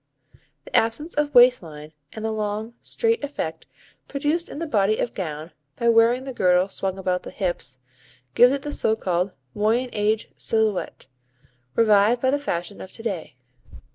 The absence of waist line, and the long, straight effect produced in the body of gown by wearing the girdle swung about the hips, gives it the so called Moyen Age silhouette, revived by the fashion of to day.